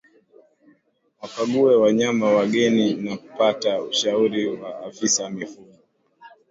Wakague wanyama wageni na pata ushauri wa afisa mifugo